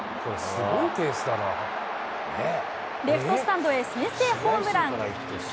レフトスタンドへ、先制ホームラン。